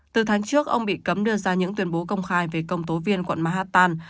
từ tháng trước ông bị cấm đưa ra những tuyên bố công khai về công tố viên quận manhattan